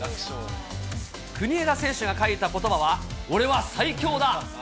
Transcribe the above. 国枝選手が書いたことばは、オレは最強だ！